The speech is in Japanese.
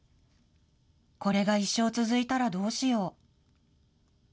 これが一生続いたらどうしよう。